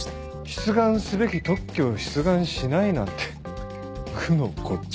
出願すべき特許を出願しないなんて愚の骨頂。